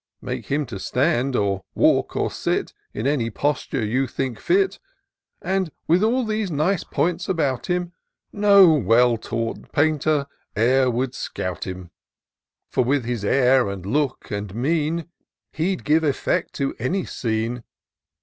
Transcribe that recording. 143 Make him to stand, or walk or sit, In any posture you think fit, Andj with all these nice points about him, No well taught painter e'er would scout him : For with his air, and look, and mien, He'd give effect to any scene.